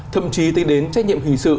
thậm chí tính đến trách nhiệm hình sự